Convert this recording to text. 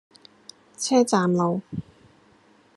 車站路